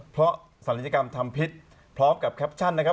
เพราะศัลยกรรมทำพิษพร้อมกับแคปชั่นนะครับ